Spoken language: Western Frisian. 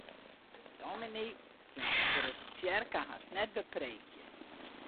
Dominy kin sa'n grutte tsjerke hast net bepreekje.